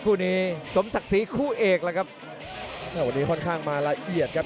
กระโดยสิ้งเล็กนี่ออกกันขาสันเหมือนกันครับ